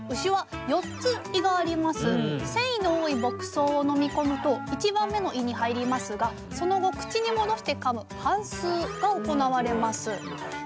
繊維の多い牧草を飲み込むと１番目の胃に入りますがその後口に戻してかむ反すうが行われます。